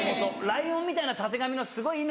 ライオンみたいなたてがみのすごい犬